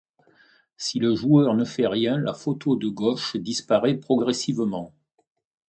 Si le joueur ne fait rien, la photo de gauche disparait progressivement.